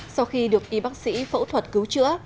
sau khi được y bác sĩ phẫu thuật cứu chữa